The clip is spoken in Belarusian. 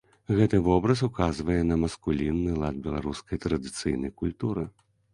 Гэты вобраз указвае на маскулінны лад беларускай традыцыйнай культуры.